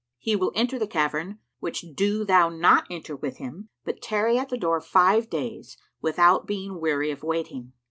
He will enter the cavern, which do thou not enter with him, but tarry at the door five days, without being weary of waiting.